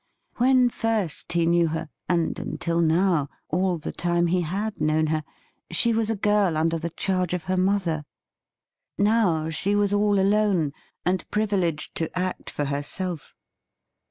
When first he knew her, and, until now, all the time he had known her, she was a girl under the charge of her mother. Now she was all alone, and privileged to act for herself.